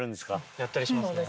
やったりします。